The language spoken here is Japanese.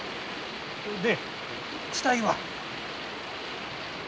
で死体は？